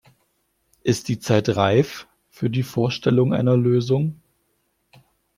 Ist die Zeit reif für die Vorstellung einer Lösung?